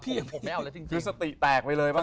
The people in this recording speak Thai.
พี่สติแตกไปเลยบ้าง